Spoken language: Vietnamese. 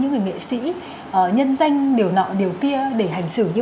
những người nghệ sĩ nhân danh điều nọ điều kia để hành xử như